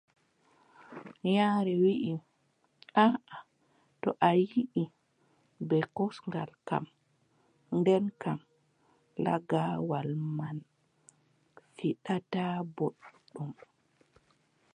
Yaare wii aaʼa, to a ƴiʼi bee kosngal kam, nden kam lagaawal man fiɗataa booɗɗum.